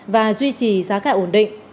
và duy trì giá cả ổn định